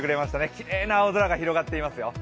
きれいな青空が広がっていますよ。